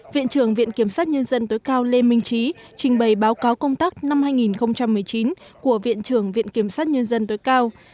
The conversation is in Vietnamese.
viện trưởng viện kiểm sát nhân dân tối cao lê minh trí trình bày báo cáo công tác năm hai nghìn một mươi chín của viện trưởng viện kiểm sát nhân dân tối cao